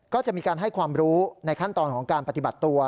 ก็จะมีการให้ความรู้ในขั้นตอนของการปฏิบัติตัว